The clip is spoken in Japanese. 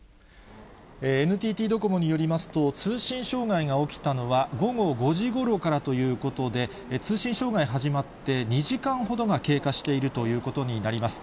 ＮＴＴドコモによりますと、通信障害が起きたのは午後５時ごろからということで、通信障害始まって２時間ほどが経過しているということになります。